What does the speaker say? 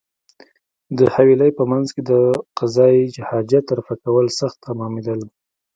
د حویلۍ په مېنځ کې د قضای حاجت رفع کول سخت تمامېدل.